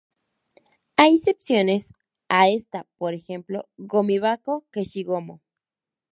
Hay excepciones a esta, por ejemplo, "ゴミ箱", "消しゴム".